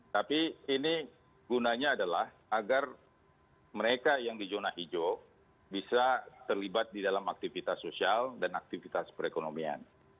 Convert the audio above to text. tapi ini gunanya adalah agar mereka yang di zona hijau bisa terlibat di dalam aktivitas sosial dan aktivitas perekonomian